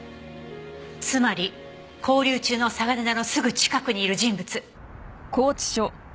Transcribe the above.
つまり勾留中の嵯峨根田のすぐ近くにいる人物。